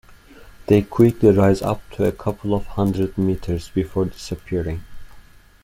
They quickly rise up to a couple of hundred metres before disappearing.